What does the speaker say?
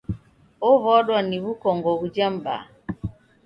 Ow'adwa ni w'ukongo ghuja m'baa.